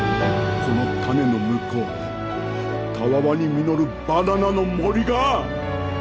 この種の向こうたわわに実るバナナの森が。